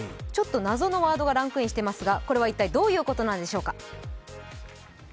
ちょっと謎のワードがランクインしていますが、これはどういうことでしょうか。